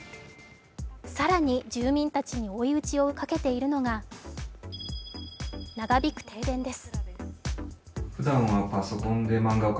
更に、住民たちに追い打ちをかけているのが長引く停電です。